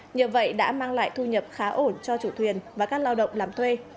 nhờ vậy đã mang lại thu nhập khá ổn cho chủ thuyền và các lao động làm thuê